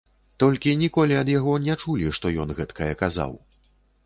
Толькі ніколі ад яго не чулі, што ён гэткае казаў.